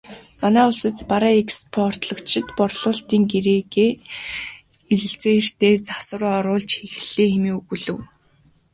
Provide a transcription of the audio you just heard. Манай улсад бараа экспортлогчид борлуулалтын гэрээ хэлэлцээртээ засвар оруулж эхэллээ хэмээн өгүүлэв.